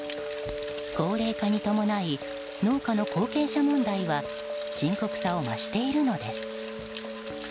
高齢化に伴い農家の後継者問題は深刻さを増しているのです。